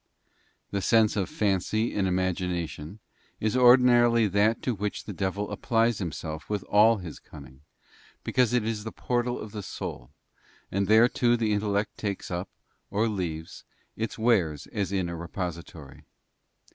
The sense of fancy and imagination is ordinarily that to which the devil applies himself with all his cunning, because it is the portal of the soul, and there too the intellect takes up, or leaves, its wares as in a repository.